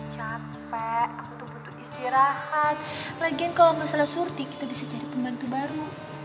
capek aku tuh butuh istirahat lagian kalo masalah surti kita bisa jadi pembantu baru